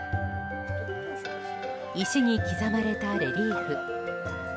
石に刻まれたレリーフ。